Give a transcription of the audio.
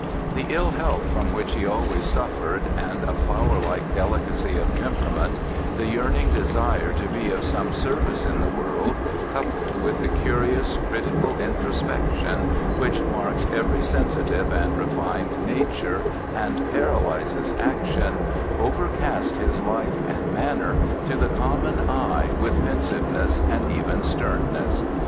The ill health from which he always suffered, and a flower like delicacy of temperament, the yearning desire to be of some service in the world, coupled with the curious, critical introspection which marks every sensitive and refined nature and paralyzes action, overcast his life and manner to the common eye with pensiveness and even sternness.